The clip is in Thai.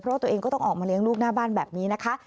เพราะตัวเองก็ต้องออกมาเลี้ยงลูกหน้าบ้านแบบนี้นะคะ